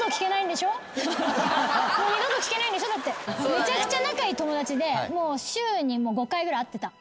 めちゃくちゃ仲いい友達で週に５回ぐらい会ってた。